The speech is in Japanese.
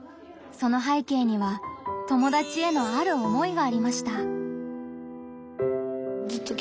その背景には友達へのある思いがありました。